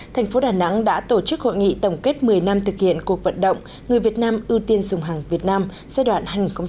thành phố đà nẵng đã tổ chức hội nghị tổng kết một mươi năm thực hiện cục vận động người việt nam ưu tiên dùng hàng việt nam giai đoạn hai nghìn chín hai nghìn một mươi chín